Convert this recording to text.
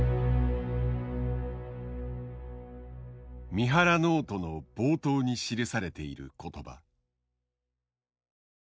三原ノートの冒頭に記されている言葉。